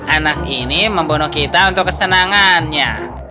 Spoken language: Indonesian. anak ini membunuh kita untuk kesenangannya